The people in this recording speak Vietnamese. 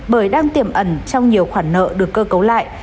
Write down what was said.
bởi đang tiềm ẩn trong nhiều khoản nợ được cơ cấu lại